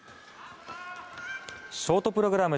ショートプログラム